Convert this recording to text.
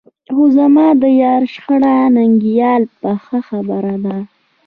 خو زما د یار شهرت ننګیال پخه خبره ده.